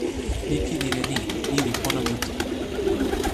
mi pilin e ni: ni li pona mute.